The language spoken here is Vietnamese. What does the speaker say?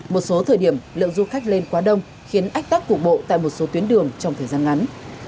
một số thời điểm lượng du khách lên quá đông khiến ách tắc cục bộ tại một số tuyến đường trong thời gian ngắn